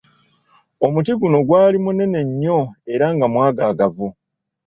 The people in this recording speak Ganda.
Omuti guno gwali munene nnyo era nga mwagaagavu.